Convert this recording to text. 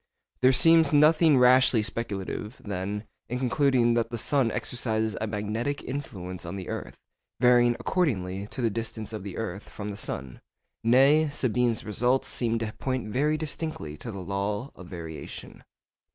There seems nothing rashly speculative, then, in concluding that the sun exercises a magnetic influence on the earth, varying according to the distance of the earth from the sun. Nay, Sabine's results seem to point very distinctly to the law of variation.